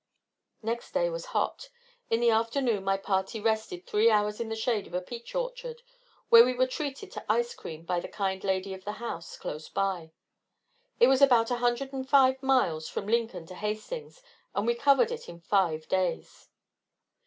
Next day was hot. In the afternoon my party rested three hours in the shade of a peach orchard, where we were treated to ice cream by the kind lady of the house close by. It was about 105 miles from Lincoln to Hastings, and we covered it in five days.